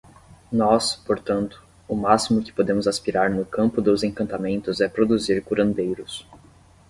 Nós, portanto, o máximo que podemos aspirar no campo dos encantamentos é produzir curandeiros.